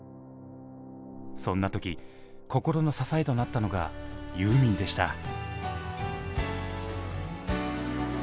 そんな時心の支えとなったのが「ユーミン」でした。